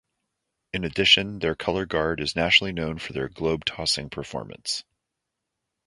In addition, their Color Guard is nationally known for their "globe-tossing" performance.